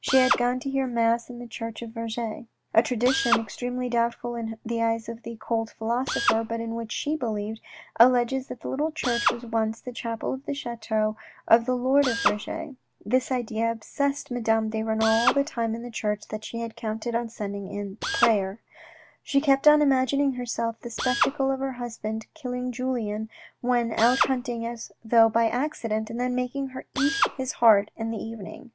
She had gone to hear mass in the church of Vergy. A tradition, extremely doubtful in the eyes of the cold philosopher, but in which she believed, alleges that the little church was once the chapel of the chateau of the Lord of Vergy. This idea obsessed Madame de Renal all the time in the church that she had counted on spending in prayer. She kept on imagin ing to herself the spectacle of her husband killing Julien when out hunting as though by accident, and then making her eat his heart in the evening.